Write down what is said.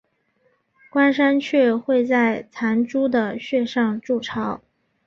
冠山雀会在残株的穴上筑巢。